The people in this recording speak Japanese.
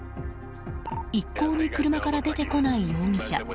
一向に車から出てこない容疑者。